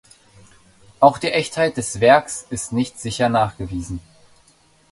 Auch die Echtheit des Werkes ist nicht sicher nachgewiesen.